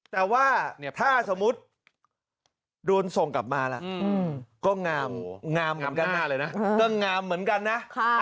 แต่ว่าถ้าสมมติโดนส่งกลับมาล่ะก็งามเหมือนกันนะ